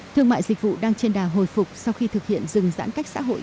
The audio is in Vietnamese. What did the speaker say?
thương mại dịch vụ đang trên đà hồi phục sau khi thực hiện dừng giãn cách xã hội